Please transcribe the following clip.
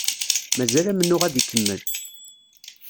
Mazal amennuɣ ad ikemmel.